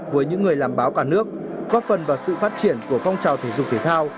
với những người làm báo cả nước góp phần vào sự phát triển của phong trào thể dục thể thao